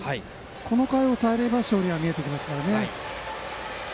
この回を抑えれば勝利が見えてきますね。